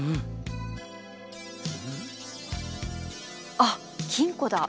あっ金庫だ。